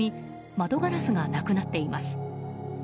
窓ガラスがなくなっています。